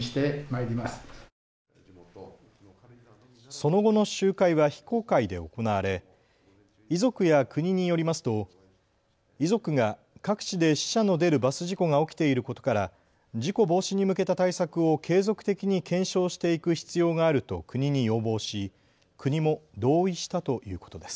その後の集会は非公開で行われ遺族や国によりますと遺族が各地で死者の出るバス事故が起きていることから事故防止に向けた対策を継続的に検証していく必要があると国に要望し国も同意したということです。